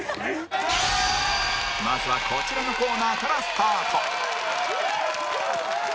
まずはこちらのコーナーからスタート